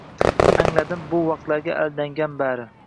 Angladim, bu vaqtga aldangan bari